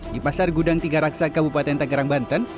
di pasar gudang tiga raksa kabupaten tangerang banten